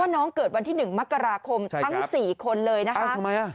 ว่าน้องเกิดวันที่๑มกราคมทั้ง๔คนเลยนะคะ